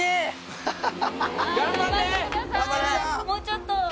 もうちょっと！